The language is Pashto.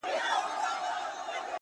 درته ښېرا كومه ـ